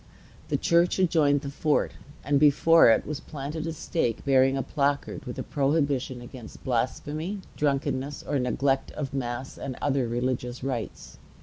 The church adjoined the fort; and before it was planted a stake bearing a placard with a prohibition against blasphemy, drunkenness, or neglect of mass and other religious rites.